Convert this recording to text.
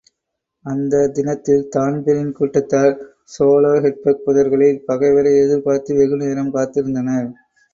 அந்தத் தினத்நில் தான்பிரீன் கூட்டத்தார் ஸோலோஹெட்பக் புதர்களில் பகைவரை எதிர்பார்த்து வெகு நேரம் காத்திருந்தனர்.